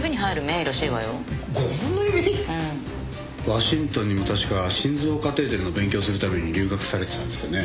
ワシントンにも確か心臓カテーテルの勉強をするために留学されてたんですよね？